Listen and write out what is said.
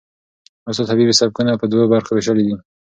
استاد حبیبي سبکونه په دوو برخو وېشلي دي.